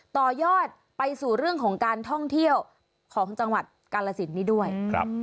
ต่อยอดไปสู่เรื่องของการท่องเที่ยวของจังหวัดกาลสินนี้ด้วยครับ